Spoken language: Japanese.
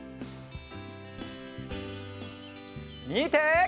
みて！